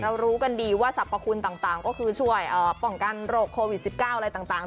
รู้กันดีว่าสรรพคุณต่างก็คือช่วยป้องกันโรคโควิด๑๙อะไรต่าง